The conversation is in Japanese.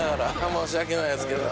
申し訳ないっすけど。